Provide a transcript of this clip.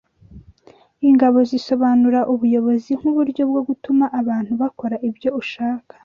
Ingabo zisobanura ubuyobozi nkuburyo bwo gutuma abantu bakora ibyo ushaka